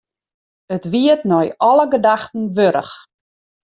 It wie it nei alle gedachten wurdich.